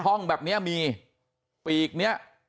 ห้องแบบนี้มีปีกนี้